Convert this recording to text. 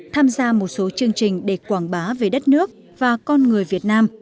tham gia một số chương trình để quảng bá về đất nước và con người việt nam